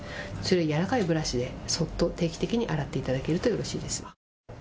柔らかいブラシで定期的に洗っていただけるとよろしいです。